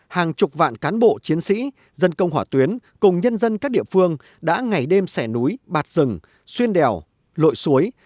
hàng chục vạn cán bộ chiến sĩ dân công hỏa tuyến cùng nhân dân các địa phương đã ngày đêm xẻ núi bạt rừng xuyên đèo lội suối